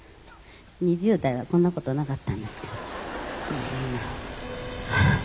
２０代はこんな事なかったんですけど」。